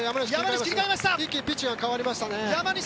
ピッチが変わりましたね。